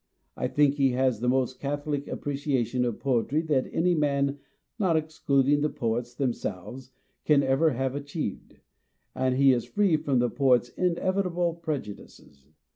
I think he has the most catholic appreciation of poetry that any man, not excluding the poets themselves, can ever have achieved, and he is free from the poet's inevitable prejudices.